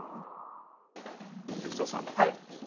滝藤さん